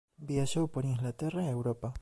Viaxou por Inglaterra e Europa.